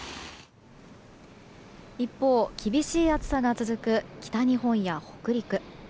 一方、厳しい暑さが続く北日本や北陸。